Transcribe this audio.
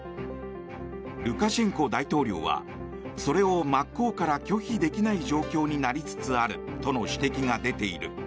ルカシェンコ大統領はそれを真っ向から拒否できない状況になりつつあるとの指摘が出ている。